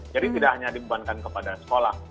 jadi tidak hanya dibebankan kepada sekolah